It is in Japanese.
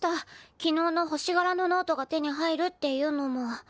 昨日の星がらのノートが手に入るっていうのも。